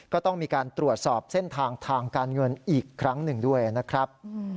ก็ต้องมีการตรวจสอบเส้นทางทางการเงินอีกครั้งหนึ่งด้วยนะครับ